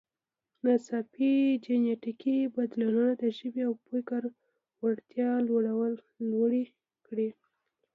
ناڅاپي جینټیکي بدلونونو د ژبې او فکر وړتیاوې لوړې کړې.